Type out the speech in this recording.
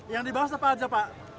yang dibahas apa aja pak